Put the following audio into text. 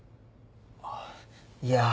あぁいや。